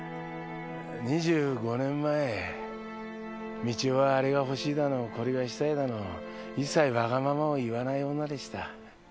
２５年前美千代はあれが欲しいだのこれがしたいだの一切わがままを言わない女でした。